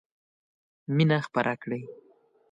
مينه خپره کړئ.